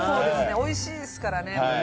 おいしいですからね。